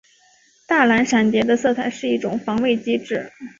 大蓝闪蝶的色彩是一种防卫机制。